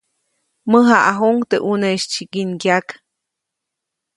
Mäjaʼajuʼuŋ teʼ ʼuneʼis tsyikingyak.